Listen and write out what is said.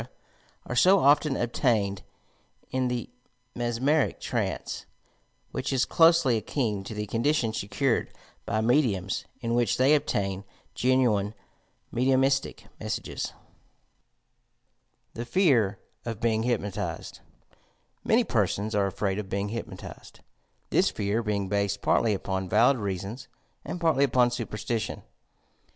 are so often obtained in the mesmeric trance, which is closely akin to the condition secured by mediums, in which they obtain genuine mediumistie messages. THE FE.VB OF BEING HTPNOTIZED Ulany persona are afraid of being hypnotized, — ^thia fear being based partly upon valid reasons and partly upon superstition.